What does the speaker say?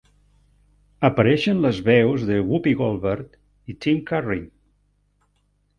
Apareixen les veus de Whoopi Goldberg i Tim Curry.